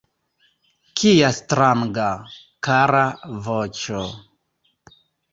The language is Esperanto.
Kia stranga, kara voĉo!